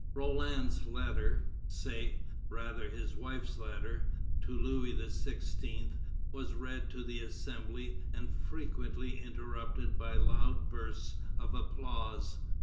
Roland's letter say, rather, his wife's letter to Louis XVI. was read to the Assembly and frequently interrupted by loud bursts of applause.